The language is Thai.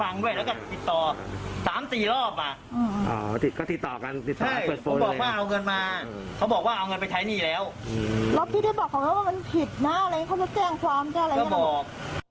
แล้วพี่ได้บอกเขาว่ามันผิดนะอะไรเขามาแจ้งความแจ้งอะไรมาบอก